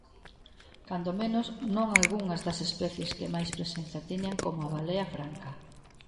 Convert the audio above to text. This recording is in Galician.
Cando menos, non algunhas das especies que máis presenza tiñan como a balea franca.